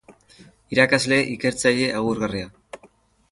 Irakasle-Ikertzaile agurgarria.